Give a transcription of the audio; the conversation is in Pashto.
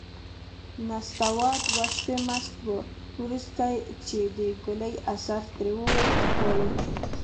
نستوه دوه شپې مست و. وروسته چې د ګولۍ اثر ترې ووت، وايي: